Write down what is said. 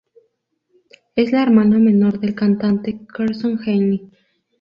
Es la hermana menor del cantante Carson Henley.